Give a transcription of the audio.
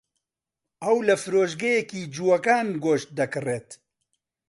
ئەو لە فرۆشگەیەکی جووەکان گۆشت دەکڕێت.